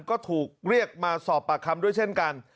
ก็ถูกเรียกมาสอบปากคำด้วยเช่นกัน